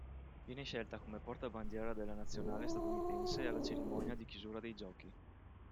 Viene scelta come portabandiera della nazionale statunitense alla cerimonia di chiusura dei Giochi.